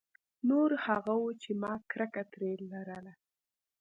نور هغه وو چې ما کرکه ترې لرله.